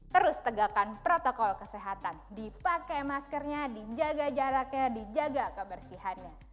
terus tegakkan protokol kesehatan dipakai maskernya dijaga jaraknya dijaga kebersihannya